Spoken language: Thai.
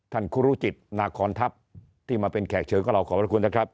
ครูรุจิตนาคอนทัพที่มาเป็นแขกเชิญของเราขอบพระคุณนะครับ